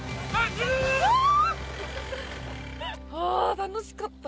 ・楽しかった！